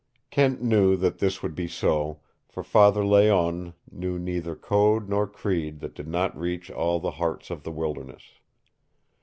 Kent knew that this would be so, for Father Layonne knew neither code nor creed that did not reach all the hearts of the wilderness.